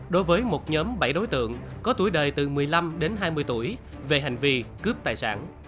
đối với một nhóm bảy đối tượng có tuổi đời từ một mươi năm đến hai mươi tuổi về hành vi cướp tài sản